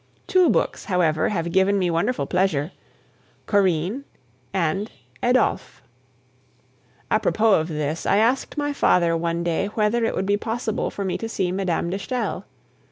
Two books, however, have given me wonderful pleasure Corinne and Adolphe. Apropos of this, I asked my father one day whether it would be possible for me to see Mme. de Stael.